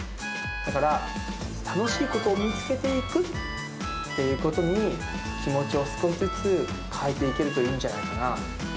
だから、楽しいことを見つけていくっていうことに気持ちを少しずつ変えてありがとうございます。